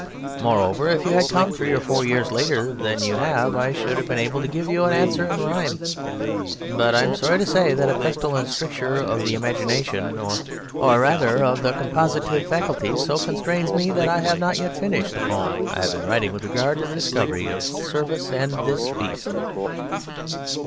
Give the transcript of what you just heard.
Moreover, if you had come three or four years later than you have I should have been able to give you an answer in rhyme, but I am sorry to say that a pestilent stricture of the imagination, or rather, of the compositive faculty so constrains me that I have not yet finished the poem I have been writing with regard to the discovery and service of this beast."